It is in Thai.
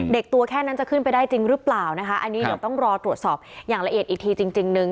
ตัวแค่นั้นจะขึ้นไปได้จริงหรือเปล่านะคะอันนี้เดี๋ยวต้องรอตรวจสอบอย่างละเอียดอีกทีจริงนึง